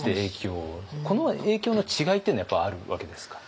この影響の違いっていうのはやっぱりあるわけですか。